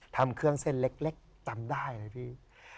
ทำเครื่องเส้นเล็กจำได้เลยพี่